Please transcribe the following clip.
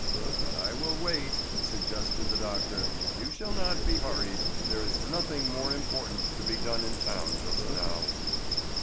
"But I will wait," suggested the doctor. "You shall not be hurried; there is nothing more important to be done in town just now."